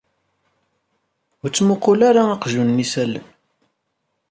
Ur ttmuqqul ara aqjun-nni s allen.